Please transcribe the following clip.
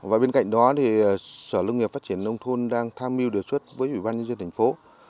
và bên cạnh đó thì sở nông nghiệp phát triển nông thôn đang tham mưu đề xuất với ủy ban nhân dân thành phố